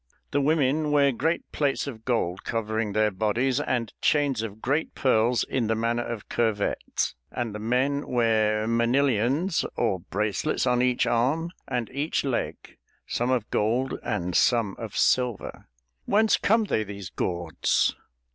The women wear great plates of gold covering their bodies, and chains of great pearls in the manner of curvettes; and the men wear manilions or bracelets on each arm and each leg, some of gold and some of silver." "Whence come they, these gauds?"